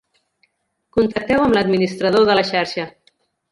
Contacteu amb l'administrador de la xarxa.